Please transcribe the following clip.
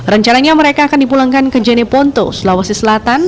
rencananya mereka akan dipulangkan ke jeneponto sulawesi selatan